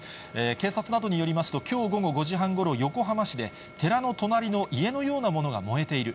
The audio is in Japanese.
警察などによりますと、きょう午後５時半ごろ、横浜市で、寺の隣の家のようなものが燃えている。